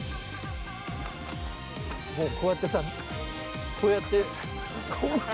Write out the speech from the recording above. もうこうやってさこうやって。